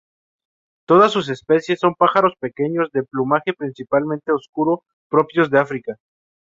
Todas sus especies son pájaros pequeños de plumaje principalmente oscuro propios de África.